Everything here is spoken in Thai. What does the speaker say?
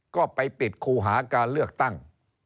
ก็ไปปิดคูหาการเลือกตั้ง